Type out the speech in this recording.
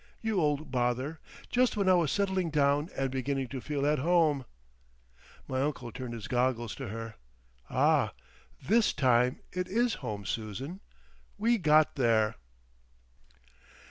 ... You old Bother! Just when I was settling down and beginning to feel at home." My uncle turned his goggles to her. "Ah! this time it is home, Susan.... We got there."